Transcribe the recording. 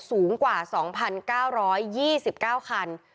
สูงกว่า๒๙๒๙คัน